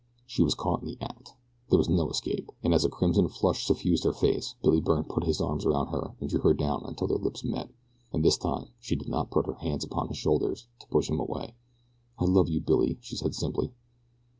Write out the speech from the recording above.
She was caught in the act. There was no escape, and as a crimson flush suffused her face Billy Byrne put his arms about her and drew her down until their lips met, and this time she did not put her hands upon his shoulders and push him away. "I love you, Billy," she said simply.